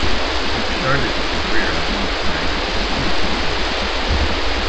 He started his career in Leeds United's youth team.